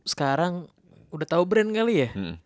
sekarang udah tau brand kali ya